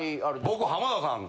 僕浜田さん。